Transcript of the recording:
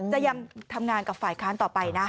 จะยังทำงานกับฝ่ายค้านต่อไปนะ